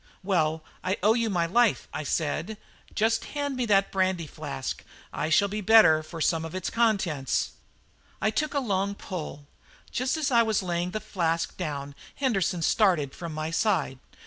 "Well, I owe you my life," I said; "just hand me that brandy flask, I shall be the better for some of its contents." I took a long pull. Just as I was laying the flask down Henderson started from my side.